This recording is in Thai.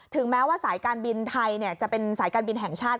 แม้ว่าสายการบินไทยจะเป็นสายการบินแห่งชาติ